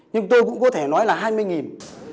nhưng tôi cũng có thể nói là hai mươi